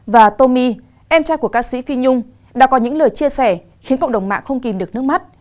và tomi em trai của ca sĩ phi nhung đã có những lời chia sẻ khiến cộng đồng mạng không kìm được nước mắt